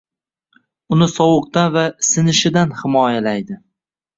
Uni sovuqdan va sinishidan himoyalaydi.